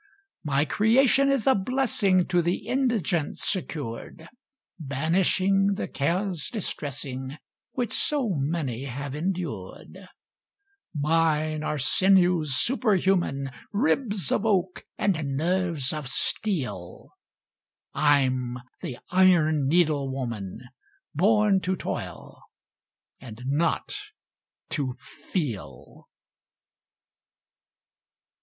My creation is a blessing To the indigent secured, Banishing the cares distressing Which so many have endured: Mine are sinews superhuman, Ribs of oak and nerves of steel I'm the Iron Needle Woman Born to toil and not to feel.